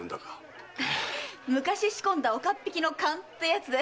昔仕込んだ岡っ引きの勘ってヤツで。